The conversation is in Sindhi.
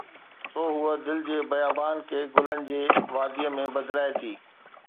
سو هوءَ دل جي بيابان کي گلن جي واديءَ ۾ بدلائي ٿي.